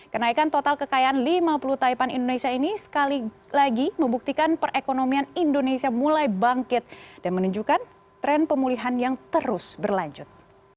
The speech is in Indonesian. kenaikan total kekayaan lima puluh taipan indonesia ini sekali lagi membuktikan perekonomian indonesia mulai bangkit dan menunjukkan tren pemulihan yang terus berlanjut